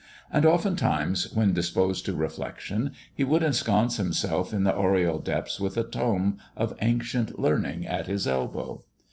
And oftentimes when disposed to reflection, he would ensconce himself in the oriel depths with a tome of ancient learning at his elbow.